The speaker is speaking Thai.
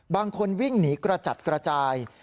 บางคนวิ่งหนีกระจัดกระจาย